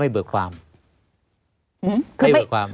ไม่มีครับไม่มีครับ